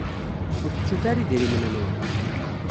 Ur tettut ara idrimen-nwen.